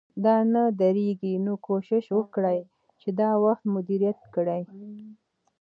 دا نه درېږي، نو کوشش وکړئ چې دا وخت مدیریت کړئ